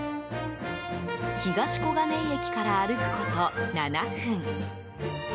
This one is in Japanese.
東小金井駅から歩くこと７分。